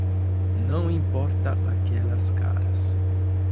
Não importa aqueles caras.